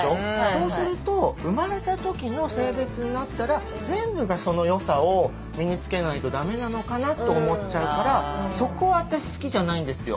そうすると生まれた時の性別になったら全部がその良さを身につけないとダメなのかなと思っちゃうからそこ私好きじゃないんですよ。